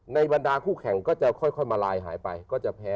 บรรดาคู่แข่งก็จะค่อยมาลายหายไปก็จะแพ้